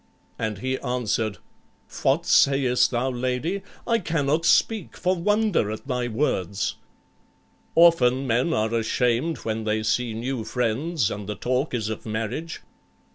And he answered, "What sayest thou, lady? I cannot speak for wonder at thy words." "Often men are ashamed when they see new friends and the talk is of marriage."